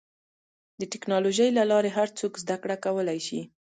د ټکنالوجۍ له لارې هر څوک زدهکړه کولی شي.